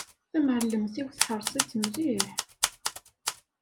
Tamεellemt-iw teḥreṣ-itt mliḥ.